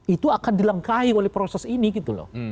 itu akan dilangkahi oleh proses ini gitu loh